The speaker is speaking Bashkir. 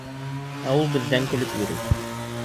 Ә ул беҙҙән көлөп йөрөй!